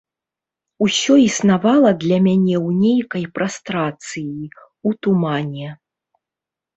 Усё існавала для мяне ў нейкай прастрацыі, у тумане.